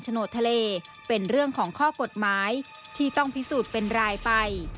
ให้ต้องพิสูจน์เป็นลายไป